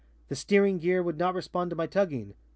The steering gear would not respond to my tugging.